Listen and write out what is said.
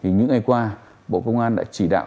những ngày qua bộ công an đã chỉ đạo